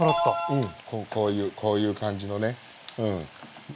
うんこういう感じのねうん。